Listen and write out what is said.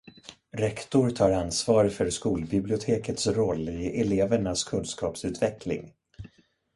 Rektor tar ansvar för skolbibliotekets roll i elevernas kunskapsutveckling.